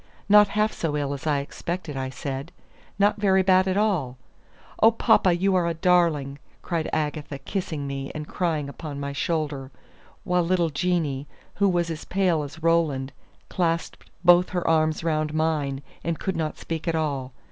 "Not half so ill as I expected," I said; "not very bad at all." "Oh, papa, you are a darling!" cried Agatha, kissing me, and crying upon my shoulder; while little Jeanie, who was as pale as Roland, clasped both her arms round mine, and could not speak at all.